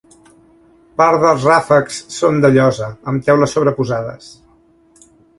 Parts dels ràfecs són de llosa amb teules sobreposades.